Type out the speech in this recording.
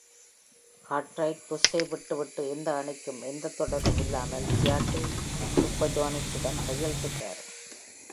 Cartwright புல்ஸை விட்டுவிட்டு எந்த அணிக்கும் எந்த தொடர்பும் இல்லாமல் சியாட்டில் சூப்பர்சோனிக்ஸுடன் கையெழுத்திட்டார்.